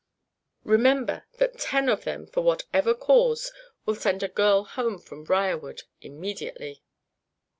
Remember that ten of them, for whatever cause, will send a girl home from Briarwood immediately."